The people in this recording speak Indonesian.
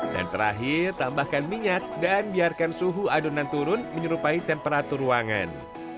dan terakhir tambahkan minyak dan biarkan suhu adonan turun menyerupai temperatur ruangan